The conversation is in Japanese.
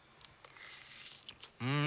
うん！